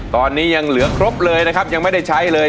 ตอนนี้ยังเหลือครบเลยนะครับยังไม่ได้ใช้เลย